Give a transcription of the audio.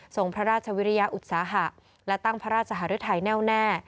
ส่งพระราชวิริยาอุตสาหะและตั้งพระราชหารุทัยแน่วแน่